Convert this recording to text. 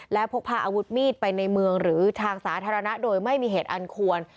และพกพาอาวุธมีดไปในเมืองหรือทางสาธารณะโดยไม่มีเหตุอันควร